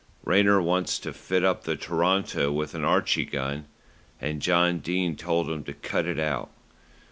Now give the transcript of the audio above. "Rayner wanted to fit up the Toronto with an Archie gun, and John Dene told him to cut it out.